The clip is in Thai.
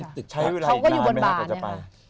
เขาก็อยู่บนบานเนี่ยค่ะ